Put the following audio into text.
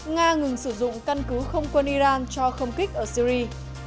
nga ngừng sử dụng căn cứ không quân iran cho không kích ở syri